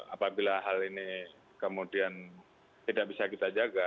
apabila hal ini kemudian tidak bisa kita jaga